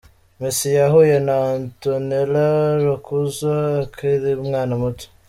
Messi yahuye na Antonella Roccuzzo akairi umwana muto.